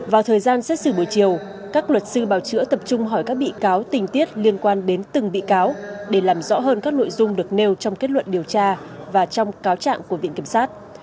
vào thời gian xét xử buổi chiều các luật sư bảo chữa tập trung hỏi các bị cáo tình tiết liên quan đến từng bị cáo để làm rõ hơn các nội dung được nêu trong kết luận điều tra và trong cáo trạng của viện kiểm sát